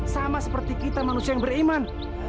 sama seperti kita manusia yang beriman